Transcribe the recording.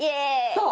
そう！